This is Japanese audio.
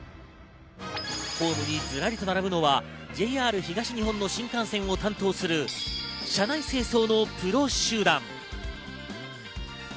ホームにずらりと並ぶのはＪＲ東日本の新幹線を担当する車内清掃のプロ集団。